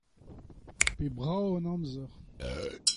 p'eo brav an amzer.